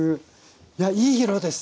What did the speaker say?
いやいい色ですね！